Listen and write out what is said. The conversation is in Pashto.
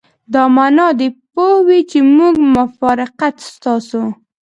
دا معنی دې پوه وي چې موږ مفارقت ستاسو.